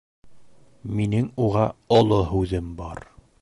Минең уға Оло һүҙем бар.